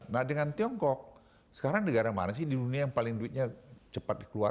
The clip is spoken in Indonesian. nah dengan tiongkok sekarang negara mana sih di dunia yang paling duitnya cepat dikeluarkan